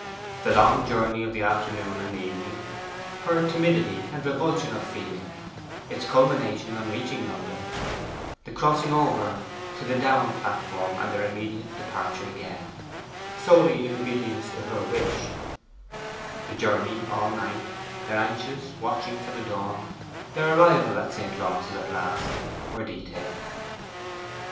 The long journey of the afternoon and evening; her timidity and revulsion of feeling; its culmination on reaching London; the crossing over to the down platform and their immediate departure again, solely in obedience to her wish; the journey all night; their anxious watching for the dawn; their arrival at St. Launce's at last were detailed.